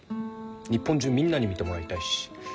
日本中みんなに見てもらいたいし。